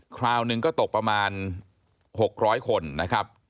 คราวหนึ่งก็ตกประมาณ๖๐๐คนนะครับ